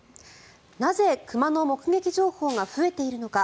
なぜ、熊の目撃情報が増えているのか。